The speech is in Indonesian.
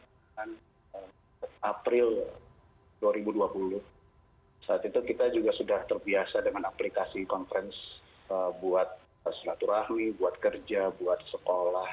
dan setelah itu kita sudah terbiasa dengan aplikasi konferensi buat senatur ahli buat kerja buat sekolah